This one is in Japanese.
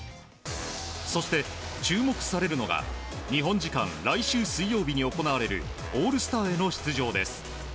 そして注目されるのが日本時間来週水曜日に行われるオールスターへの出場です。